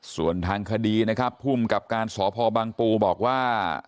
ส่วนทางคดีนะครับภูมิกับการสพบังปูบอกว่า